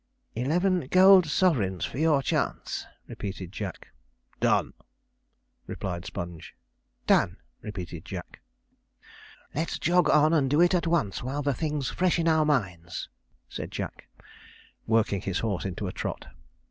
'Eleven golden sovereigns for your chance,' repeated Jack. 'Done!' replied Sponge. 'Done!' repeated Jack. 'Let's jog on and do it at once while the thing's fresh in our minds,' said Jack, working his horse into a trot.